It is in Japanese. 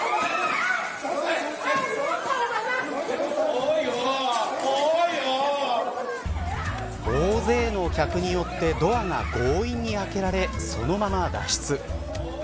大勢の客によってドアが強引に開けられそのまま脱出。